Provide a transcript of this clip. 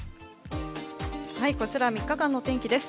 こちら３日間の天気です。